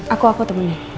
aku aku temenin